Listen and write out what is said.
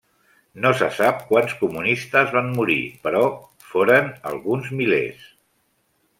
No se sap quants comunistes van morir però foren alguns milers.